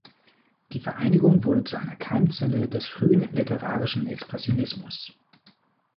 Die Vereinigung wurde zu einer Keimzelle des frühen literarischen Expressionismus.